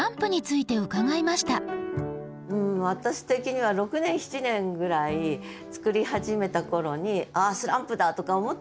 うん私的には６年７年ぐらい作り始めた頃に「あスランプだ」とか思った時あったんだけど。